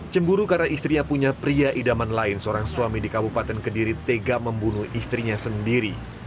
cemburu karena istrinya punya pria idaman lain seorang suami di kabupaten kediri tega membunuh istrinya sendiri